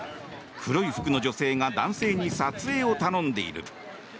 黒い服の女性が男性に撮影を頼んでいる。